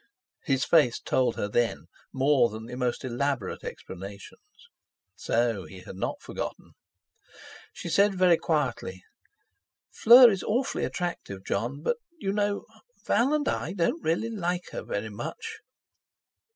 His face told her, then, more than the most elaborate explanations. So he had not forgotten! She said very quietly: "Fleur is awfully attractive, Jon, but you know—Val and I don't really like her very much."